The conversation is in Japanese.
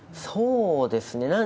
そうですね。